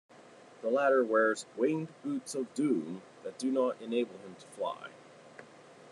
The latter wears "winged boots of doom" that do not enable him to fly.